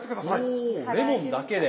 おレモンだけで？